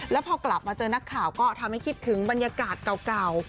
แล้วพอกลับมาเจอนักข่าวก็ทำให้คิดถึงบรรยากาศเก่า